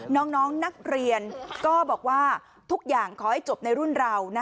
น้องนักเรียนก็บอกว่าทุกอย่างขอให้จบในรุ่นเรา